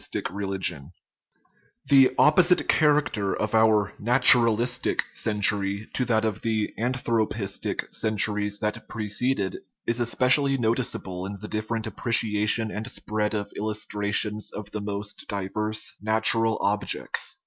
342 OUR MONISTIC RELIGION The opposite character of our naturalistic century to that of the anthropistic centuries that preceded is es pecially noticeable in the different appreciation and spread of illustrations of the most diverse natural ob jects.